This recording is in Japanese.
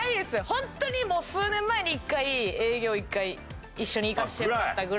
本当にもう数年前に１回営業１回一緒に行かせてもらったぐらいで。